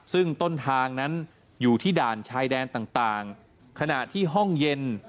ซึ่งต้นทางนั้นอยู่ที่ด่านชายแดนต่างขณะที่ห้องเย็น